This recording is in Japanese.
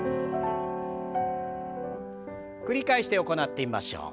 繰り返して行ってみましょう。